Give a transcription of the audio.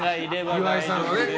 岩井さんはね。